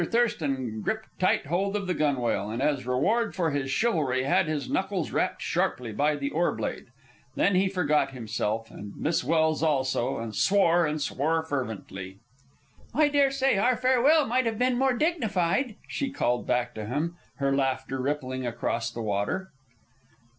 Thurston gripped tight hold of the gunwale, and as reward for his chivalry had his knuckles rapped sharply by the oar blade. Then he forgot himself, and Miss Welse also, and swore, and swore fervently. "I dare say our farewell might have been more dignified," she called back to him, her laughter rippling across the water.